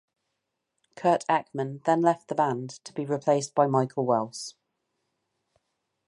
Curt Eckman then left the band, to be replaced by Michael Wells.